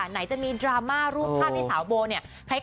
ไหนจะมีดราม่ารูปภาพในสาวโบ